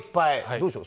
どうでしょう。